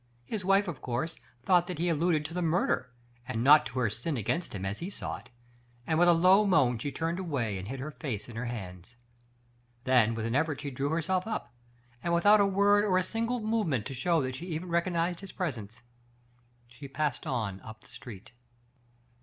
His wife, of course, thought that he alluded to the murder, and not to her sin against him as he saw it, and with a low moan she turned away and hid her face in her Digitized by Google hands. Then with an effort she drew herself up, and without a word or a single movement to show that she even recognized his presence, she passed on up the street.